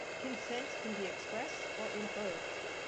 Consent can be express or inferred.